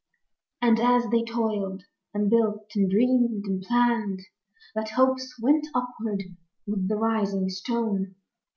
And as they toiled and built and dreamed and planned, What hopes went upward with the rising stone!